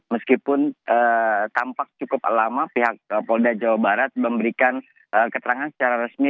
meskipun tampak cukup lama pihak polda jawa barat memberikan keterangan secara resmi